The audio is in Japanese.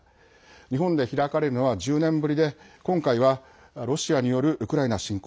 日本で開かれるのは１０年ぶりで今回はロシアによるウクライナ侵攻。